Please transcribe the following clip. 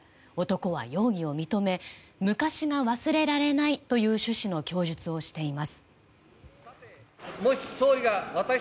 男は容疑を認め昔が忘れられないとの趣旨の供述をしています。